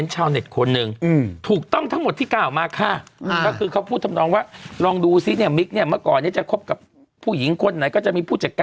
ช่วงหน้าสุดีครับ